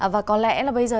và có lẽ là bây giờ